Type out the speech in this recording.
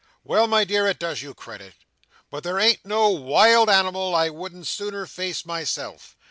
"Well, my dear, it does you credit. But there ain't no wild animal I wouldn't sooner face myself.